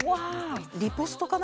リポストかな？